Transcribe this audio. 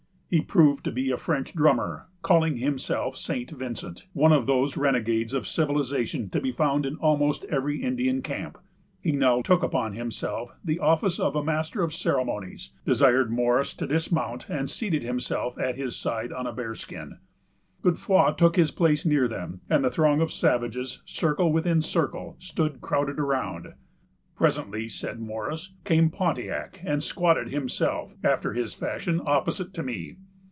He proved to be a French drummer, calling himself St. Vincent, one of those renegades of civilization to be found in almost every Indian camp. He now took upon himself the office of a master of ceremonies; desired Morris to dismount, and seated himself at his side on a bear skin. Godefroy took his place near them; and the throng of savages, circle within circle, stood crowded around. "Presently," says Morris, "came Pontiac, and squatted himself, after his fashion, opposite to me."